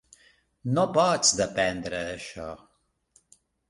No pots dependre d'això.